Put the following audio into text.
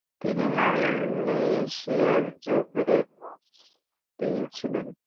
তিনি মালয়েশিয়ার জোহরের মুফতি ছিলেন।